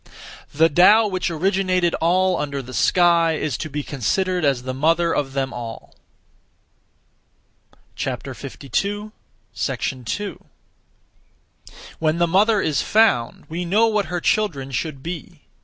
(The Tao) which originated all under the sky is to be considered as the mother of them all. 2. When the mother is found, we know what her children should be.